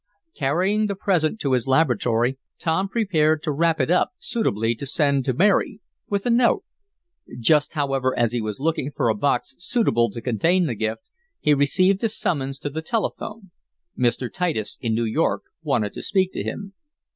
Carrying the present to his laboratory, Tom prepared to wrap it up suitably to send to Mary, with a note. Just, however, as he was looking for a box suitable to contain the gift, he received a summons to the telephone. Mr. Titus, in New York, wanted to speak to him.